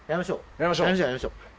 やりましょう！